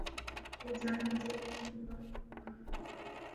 یہ تو جان جوکھوں کا کام ہے